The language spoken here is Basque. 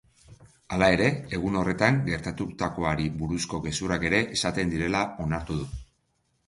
Hala ere, egun horretan gertatutakoari buruzko gezurrak ere esaten direla onartu du.